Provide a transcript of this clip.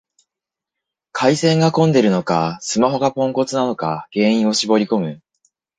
回線が混んでるのか、スマホがポンコツなのか原因を絞りこむ